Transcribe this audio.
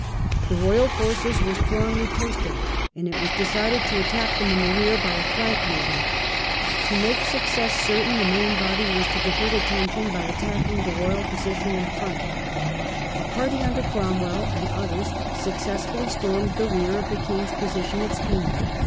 The Royal forces were strongly posted, and it was de cided to attack them in the rear by a flank movement. ,..^.„ To make success certain the main body was The cnance is ... i • i r* i lost. Oct. 27, to divert attention by attacking the Royal *^* position in front. A party under Cromwell and others successfully stormed the rear of the king's, position at Speen.